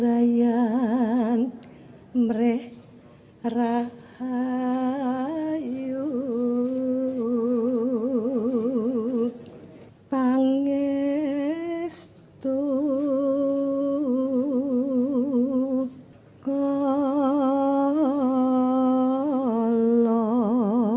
ayu pangestu kolom